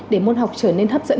để môn học trở nên hấp dẫn